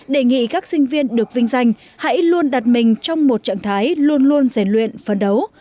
đề nghị các sinh viên được vinh danh hãy luôn đặt mình trong một trạng thái luôn luôn rèn luyện phấn đấu